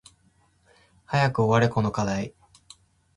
早く終われこの課題